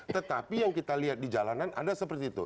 tetapi yang kita lihat di jalanan ada seperti itu